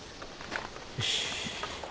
よし。